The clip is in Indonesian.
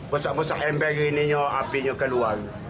besar besar ember ini apinya keluar